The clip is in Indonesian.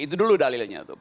itu dulu dalilnya tuh